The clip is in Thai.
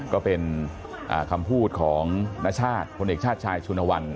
ก็เป็นคำพูดของนชาติพลเอกชาติชายชุนวัน